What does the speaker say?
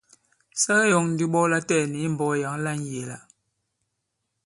Sa ke yɔ᷇ŋ ndi ɓɔ latɛɛ̀ni i mbɔk yǎŋ la ŋyēe-la.